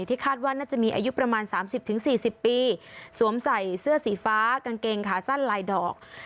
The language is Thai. ที่คาดว่าน่าจะมีอายุประมาณสามสิบถึงสี่สิบปีสวมใส่เสื้อสีฟ้ากางเกงขาสั้นลายดอก